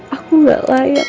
aku selalu berharap